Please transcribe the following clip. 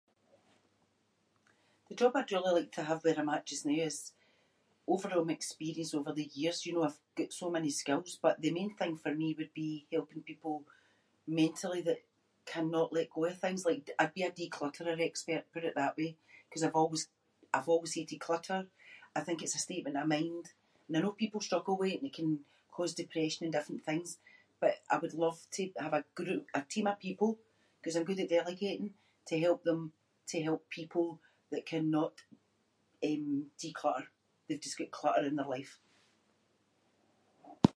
The job I’d really like to have where I’m at just now is- over all my experience over the years, you know, I’ve got so many skills, but the main thing for me would be helping people mentally that cannot let go of things. Like, I’d be a declutterer expert, put it that way. ‘Cause I’ve always- I’ve always hated clutter, I think it’s a statement of mind and I know people struggle with it and it can cause depression and different things, but I would love to have a group- a team of people, ‘cause I’m good at delegating, to help them to help people that cannot, um, declutter. They’ve just got clutter in their life.